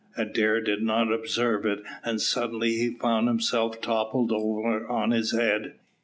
Adair did not observe it, and suddenly he found himself toppled over on his head.